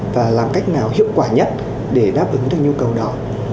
và làm cách nào hiệu quả nhất để đáp ứng được nhu cầu đó